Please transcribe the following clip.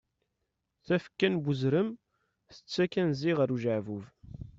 Tafekka n uzrem tettakk anzi ɣer ujeɛbub.